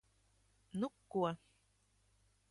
Nu ko...